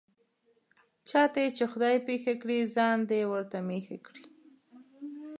چاته یې چې خدای پېښه کړي، ځان دې ورته مېښه کړي.